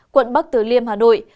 quận bắc tử liêm hà nội